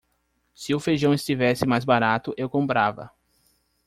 Se o feijão estivesse mais barato, eu comprava